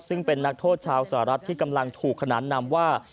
ซึ่งเป็นนักโทษชาวสหรัฐที่กำลังถูกขนานนำว่า